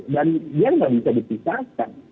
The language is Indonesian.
dan ini tidak bisa dipisahkan